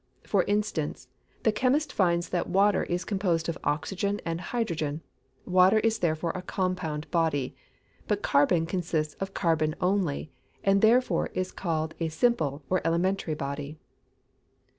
For instance, the chemist finds that water is composed of oxygen and hydrogen. Water is therefore a compound body. But carbon consists of carbon only, and therefore it is called a simple, or elementary body.